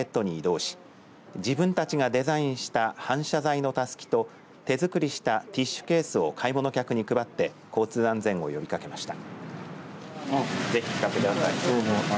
警察官の制服を着た生徒たちは近くにあるスーパーマーケットに移動し自分たちがデザインした反射材のたすきと手作りしたティッシュケースを買い物客に配って交通安全を呼びかけました。